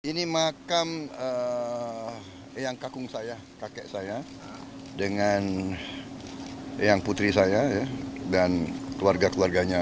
ini makam eyang kakung saya kakek saya dengan eyang putri saya dan keluarga keluarganya